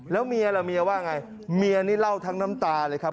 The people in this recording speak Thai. แล้วเมียล่ะเมียว่าไงเมียนี่เล่าทั้งน้ำตาเลยครับ